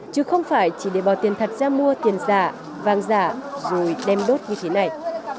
chứ không phải chỉ để bỏ tiền thật ra mua tiền giả vàng giả rồi đem đốt như thế này